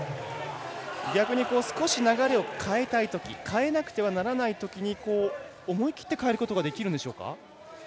少し流れを変えたいときかえなくてはいけないときに思い切ってかえることができるんでしょうか。